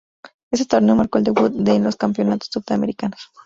Este torneo marcó el debut de en los campeonatos sudamericanos.